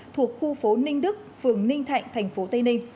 thuộc khu phố ninh đức phường ninh thạnh thành phố tây ninh